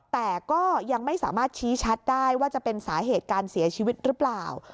แต่ก็ยังไม่สามารถชี้ชัดได้ว่าจะเป็นสาเหตุการเสียชีวิตหรือเปล่า